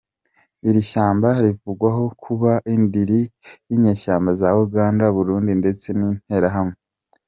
Iri shyamba rivugwaho kuba indiri y’inyeshyamaba za Uganda, Burundi ndetse n’Interahamwe.